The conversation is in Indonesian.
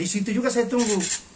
di situ juga saya tunggu